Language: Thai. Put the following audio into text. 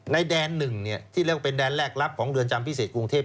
ในแดนหนึ่งที่เรียกว่าเป็นแดนแรกรับของเรือนจำพิเศษกรุงเทพ